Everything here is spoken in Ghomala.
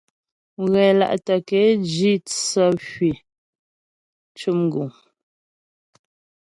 Mghɛla'tə ke jǐ tsə hwî cʉm guŋ.